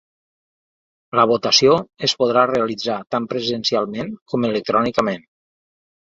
La votació es podrà realitzar tant presencialment com electrònicament.